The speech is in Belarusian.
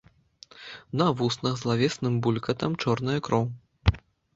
На вуснах злавесным булькатам чорная кроў.